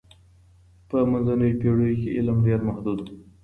په منځنیو پېړیو کي علم ډېر محدود و.